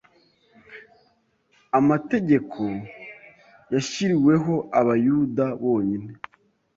amategeko yashyiriweho Abayuda bonyine,